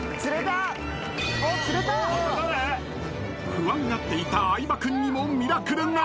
［不安がっていた相葉君にもミラクルが］